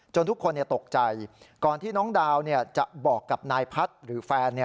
ทุกคนตกใจก่อนที่น้องดาวจะบอกกับนายพัฒน์หรือแฟน